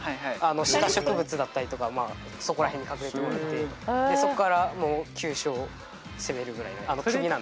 シダ植物だったりとかそこら辺に隠れてもらってそこから急所を攻めるぐらいな首なんですけど。